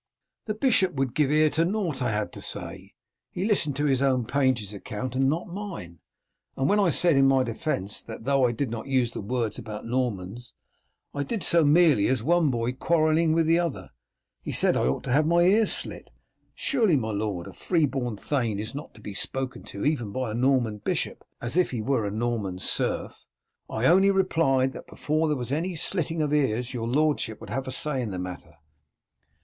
"The bishop would give ear to nought I had to say. He listened to his own page's account and not to mine, and when I said in my defence that though I did use the words about the Normans, I did so merely as one boy quarrelling with the other, he said I ought to have my ears slit. Surely, my lord, a free born thane is not to be spoken to even by a Norman bishop as if he were a Norman serf. I only replied that before there was any slitting of ears your lordship would have a say in the matter.